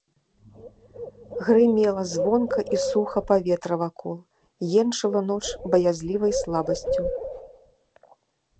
Грымела звонка і суха паветра вакол, енчыла ноч баязлівай слабасцю.